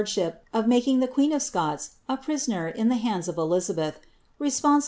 »lup of raaking ueen o[ Scots, a prisoDer in ihe hands of Elizabeth) responBiUi.